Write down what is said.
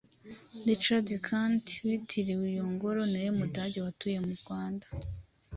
Richard Kandt witiriwe iyo ngoro ni we Mudage watuye mu Rwanda